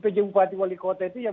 pj bupati wali kota itu yang